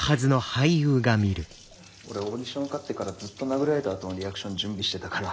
俺オーディション受かってからずっと殴られたあとのリアクション準備してたから。